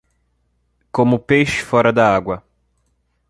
Como um peixe fora da agua.